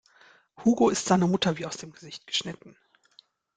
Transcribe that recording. Hugo ist seiner Mutter wie aus dem Gesicht geschnitten.